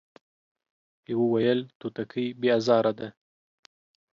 يوه ويل توتکۍ بې ازاره ده ،